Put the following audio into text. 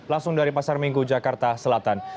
langsung dari pasar minggu jakarta selatan